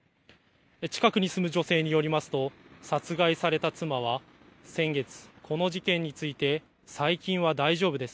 近くに住む女性によりますと殺害された妻は先月、この事件について最近は大丈夫です。